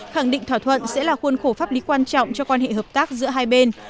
khẳng định thỏa thuận sẽ là khuôn khổ pháp lý quan trọng cho quan hệ hợp tác giữa hai bên